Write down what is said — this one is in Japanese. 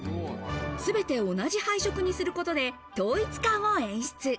すべて同じ配色にすることで統一感を演出。